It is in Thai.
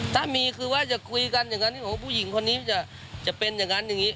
ถ้ามีคือว่าจะคุยกันอย่างนั้นบอกว่าผู้หญิงคนนี้จะเป็นอย่างนั้นอย่างนี้